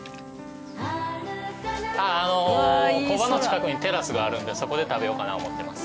工場の近くにテラスがあるんでそこで食べようかな思ってます。